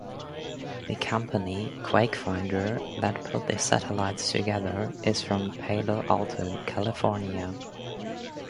The company, QuakeFinder, that put the satellites together is from Palo Alto, California.